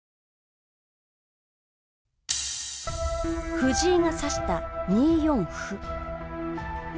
藤井が指した２四歩。